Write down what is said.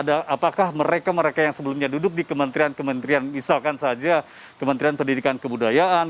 apakah mereka mereka yang sebelumnya duduk di kementerian kementerian misalkan saja kementerian pendidikan kebudayaan